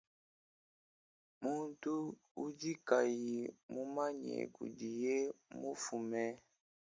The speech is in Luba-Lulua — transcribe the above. Muntu udi kayi mumanye kudiye mufume.